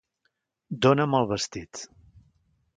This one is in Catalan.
Dóna'm el vestit!